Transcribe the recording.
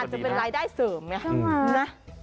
อาจจะเป็นรายได้เสริมเนี่ย